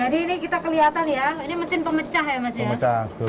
jadi ini kita kelihatan ya ini mesin pemecah ya mas ya